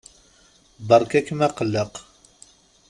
Beṛka-kem aqelleq.